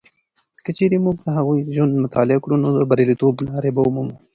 که چیرې موږ د هغوی ژوند مطالعه کړو، نو د بریالیتوب لارې به ومومو.